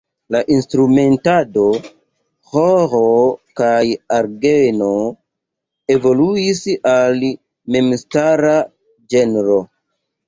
La instrumentado "ĥoro kaj orgeno" evoluis al memstara ĝenro.